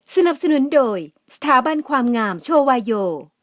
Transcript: สนับสนุนโดยสถาบันความงามโชวาโย